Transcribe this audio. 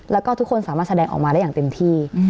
แล้วก็ทุกคนสามารถแสดงออกมาได้อย่างเต็มที่